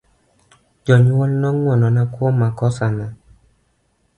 Jonyuol no ngwonona kuom makosana.